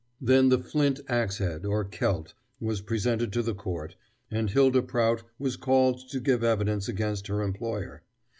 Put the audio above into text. Then the flint ax head, or celt, was presented to the court, and Hylda Prout was called to give evidence against her employer.